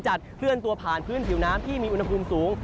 อุณหภูมิเย็นจัดเคลื่อนตัวผ่านพื้นผิวน้ำที่มีอุณหภูมิสูง